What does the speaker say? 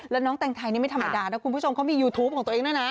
แล้วน้องแต่งไทยนี่ไม่ธรรมดานะคุณผู้ชมเขามียูทูปของตัวเองด้วยนะ